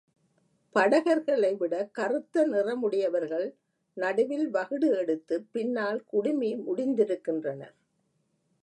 படகர்களைவிடக் கறுத்த நிறமுடைவர்கள் நடுவில் வகிடு எடுத்துப் பின்னால் குடுமி முடிந்திருக்கின்றனர்.